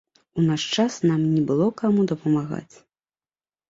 У наш час нам не было каму дапамагаць.